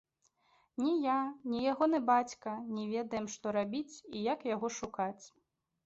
Ні я, ні ягоны бацька не ведаем, што рабіць і як яго шукаць.